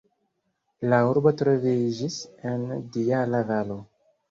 La urbo troviĝis en Dijala-valo.